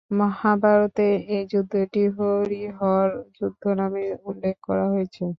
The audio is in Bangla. মহাভারতে এই যুদ্ধটি হরি-হর যুদ্ধ নামে উল্লেখ করা হয়েছে।